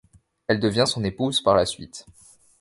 Elle devient son épouse par la suite.